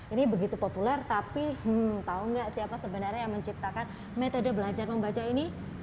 ini begitu populer tapi tau gak siapa sebenarnya yang menciptakan metode belajar membaca ini